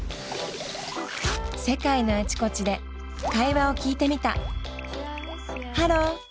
世界のあちこちで会話を聞いてみた。